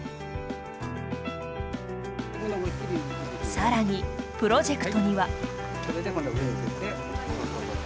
更にプロジェクトには。